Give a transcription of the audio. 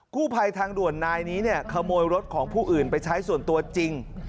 ภัยทางด่วนนายนี้เนี่ยขโมยรถของผู้อื่นไปใช้ส่วนตัวจริง